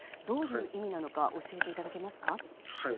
どういう意味なのか教えていただけますか？